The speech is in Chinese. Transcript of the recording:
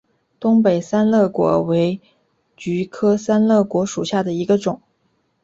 东北三肋果为菊科三肋果属下的一个种。